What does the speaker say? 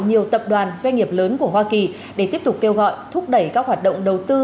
nhiều tập đoàn doanh nghiệp lớn của hoa kỳ để tiếp tục kêu gọi thúc đẩy các hoạt động đầu tư